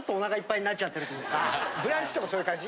『ブランチ』とかそういう感じ？